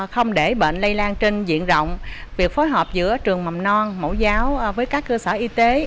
không để bệnh lây lan trên diện rộng việc phối hợp giữa trường mầm non mẫu giáo với các cơ sở y tế